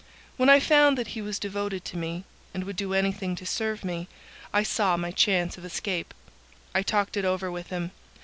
When I found that he was devoted to me and would do anything to serve me, I saw my chance of escape. I talked it over with him.